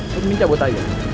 gue minta buat aja